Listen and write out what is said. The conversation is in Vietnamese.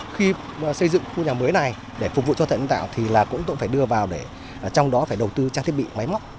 khi xây dựng khu nhà mới này để phục vụ cho thợ nhân tạo thì cũng phải đưa vào để trong đó phải đầu tư trang thiết bị máy móc